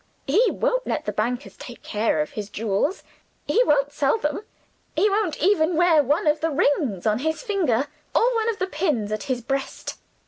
He won't let the banker take care of his jewels; he won't sell them; he won't even wear one of the rings on his finger, or one of the pins at his breast.